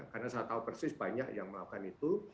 karena saya tahu persis banyak yang melakukan itu